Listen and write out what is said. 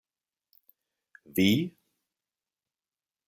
Vi?